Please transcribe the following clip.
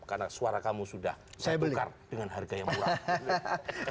karena suara kamu sudah ditukar dengan harga yang murah